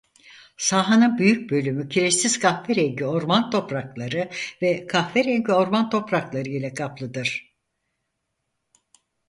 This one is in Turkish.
Sahanın büyük bölümü Kireçsiz kahverengi orman toprakları ve Kahverengi orman toprakları ile kaplıdır.